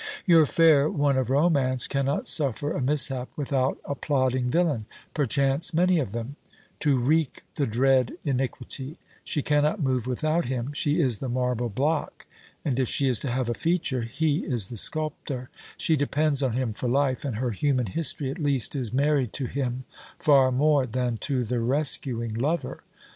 Your fair one of Romance cannot suffer a mishap without a plotting villain, perchance many of them; to wreak the dread iniquity: she cannot move without him; she is the marble block, and if she is to have a feature, he is the sculptor; she depends on him for life, and her human history at least is married to him far more than to the rescuing lover.